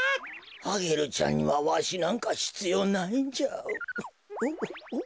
アゲルちゃんにはわしなんかひつようないんじゃ。